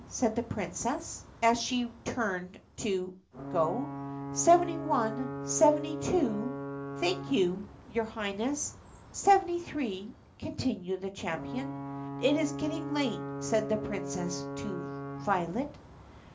said the Princess as she turned to go "Seventy one, seventy two — thank you, your Highness — seventy three, —" continued the champion. "It is getting late," said the Princess to Violet.